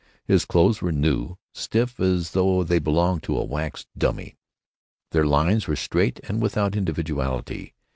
His clothes were new, stiff as though they belonged to a wax dummy. Their lines were straight and without individuality.